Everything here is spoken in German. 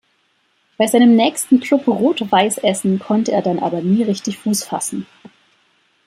Bei seinem nächsten Club Rot-Weiss Essen konnte er dann aber nie richtig Fuß fassen.